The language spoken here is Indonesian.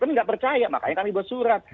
kami tidak percaya makanya kami buat surat